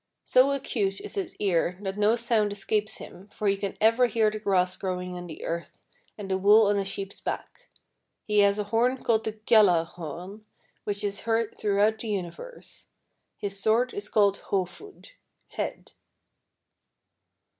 So acute is his ear that no sound escapes him, for he can even hear the grass growing on the earth, and the wool on a sheep's back. He has a horn called the Gjallar horn, which is heard throughout the universe. His sword is called Hofud (Head).